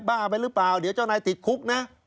้าไปหรือเปล่าเดี๋ยวเจ้านายติดคุกนะ